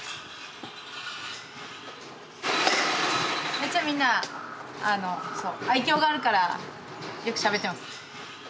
めっちゃみんな愛きょうがあるからよくしゃべってます。